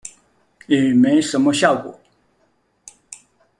也沒什麼效果